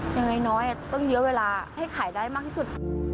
ยังไงน้อยต้องเยอะเวลาให้ขายได้มากที่สุด